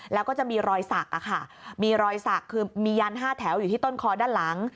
แล้วก็จะมีรอยสักมีรอยสักคือมียัน๕แถวอยู่ที่ต้นคอด้านหลัง